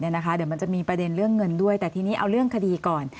เดี๋ยวมันจะมีประเด็นเรื่องเงินด้วยแต่ทีนี้เอาเรื่องคดีก่อน